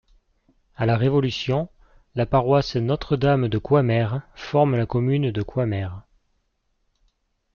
À la Révolution, la paroisse Notre-Dame de Coimères forme la commune de Coimères.